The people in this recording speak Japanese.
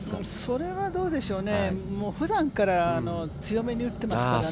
それはどうでしょうねふだんから強めに打ってますからね。